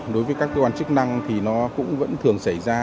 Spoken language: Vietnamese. đối với các cơ quan chức năng thì nó cũng vẫn thường xảy ra